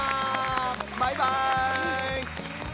バイバイ！